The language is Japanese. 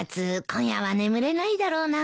今夜は眠れないだろうな。